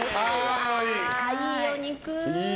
いいお肉！